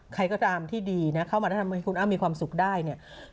ใครก็ตามที่ดีนะเข้ามาแล้วทำให้คุณอ้ำมีความสุขได้เนี่ย